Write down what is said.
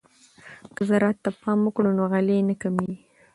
که زراعت ته پام وکړو نو غلې نه کمیږي.